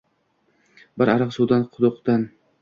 Bir ariq suv quduqdan